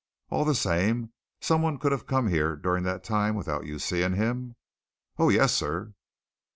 "All the same, some one could have come here during that time without your seeing him?" "Oh, yes, sir!"